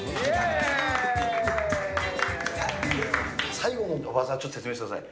最後の技、ちょっと説明してください。